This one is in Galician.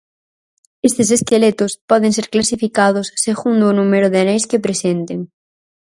Estes esqueletos poden ser clasificados segundo o número de aneis que presenten.